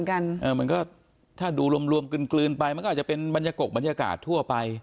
มันก็ถ้าดูรวมกลืนไปมันก็อาจจะเป็นบรรยากาศกกบรรยากาศทั่วไป